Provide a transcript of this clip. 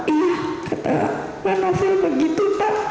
iya kata pak novel begitu pak